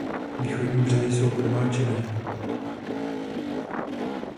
Východní břehy jsou podmáčené.